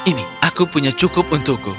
ini aku punya cukup untukku